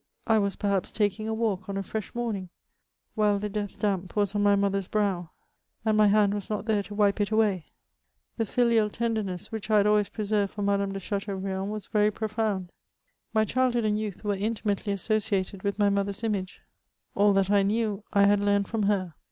I was perhaps taking a walk on a fresh morning, while the death damp was on my mother's brow, and my hand was not there to wipe it away ! The filial tenderness wmch I had always preserved for Mad^e de Chateaubriand was very profound. My childhood and youth were intimately associated with my mother s image ; all that I knew I had learned from her.